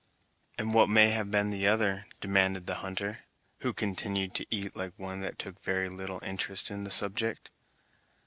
"And what may have been the other?" demanded the hunter, who continued to eat like one that took very little interest in the subject.